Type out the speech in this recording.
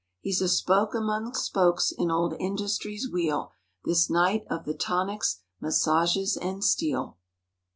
He's a spoke among spokes in old Industry's wheel— This knight of the tonics, massages and steel.